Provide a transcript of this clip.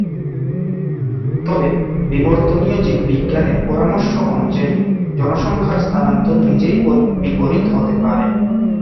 তবে, বিবর্তনীয় জীববিজ্ঞানের পরামর্শ অনুযায়ী জনসংখ্যার স্থানান্তর নিজেই বিপরীত হতে পারে।